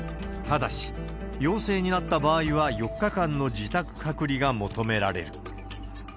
ただし、陽性になった場合は４日間の自宅隔離が求められる。